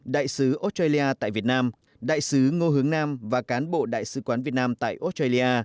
đại sứ australia tại việt nam đại sứ ngô hướng nam và cán bộ đại sứ quán việt nam tại australia